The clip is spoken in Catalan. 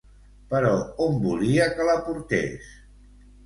Però on volia que la portés?